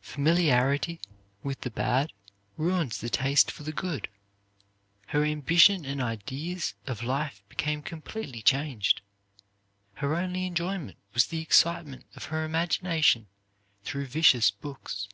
Familiarity with the bad, ruins the taste for the good. Her ambition and ideas of life became completely changed. Her only enjoyment was the excitement of her imagination through vicious books.